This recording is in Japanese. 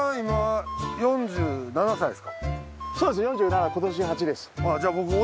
４７今年４８です。